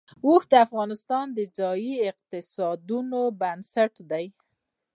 اوښ د افغانستان د ځایي اقتصادونو بنسټ دی.